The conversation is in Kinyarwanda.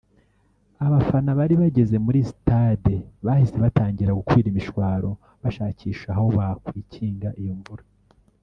Abafana bari bageze muri Stade bahise batangira gukwira imishwaro bashakisha aho bakwikinga iyo mvura